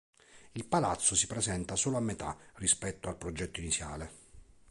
Il palazzo si presenta solo a metà rispetto al progetto iniziale.